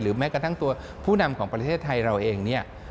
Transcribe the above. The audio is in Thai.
แม้กระทั่งตัวผู้นำของประเทศไทยเราเองเนี่ย